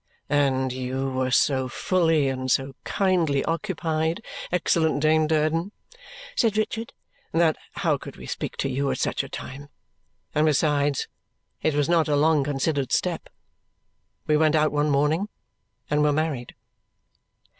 "And you were so fully and so kindly occupied, excellent Dame Durden," said Richard, "that how could we speak to you at such a time! And besides, it was not a long considered step. We went out one morning and were married."